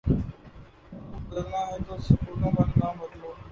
ملک بدلنا ہے تو سکولوں کا نظام بدلو۔